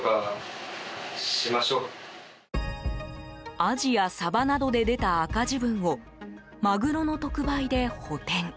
アジやサバなどで出た赤字分をマグロの特売で補填。